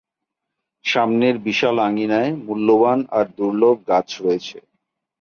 সামনের বিশাল আঙ্গিনায় মূল্যবান আর দূর্লভ গাছ রয়েছে।